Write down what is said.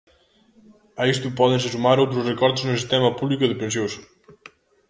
A isto pódense sumar outros recortes no sistema público de pensións.